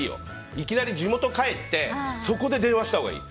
いきなり地元帰ってそこで電話したほうがいい。